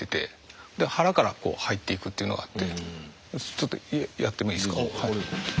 ちょっとやってもいいですか？